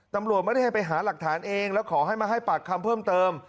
ตำรวจไม่ได้ให้ไปหาหลักฐานเองแล้วขอให้มาให้ปากคำเพิ่มเติม